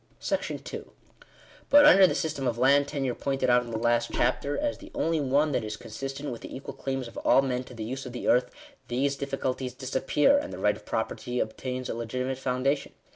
§2 But, under the system of land tenure pointed out in the last chapter, as the only one that is consistent with the equal claims of all men to the use of the earth, these difficulties disappear; and the right of property obtains a legitimate foundation.